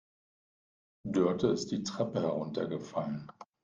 Dörte ist die Treppe heruntergefallen.